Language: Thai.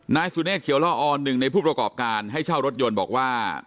นายสุเนธเขียวละออนหนึ่งในผู้ประกอบการให้เช่ารถยนต์บอกว่า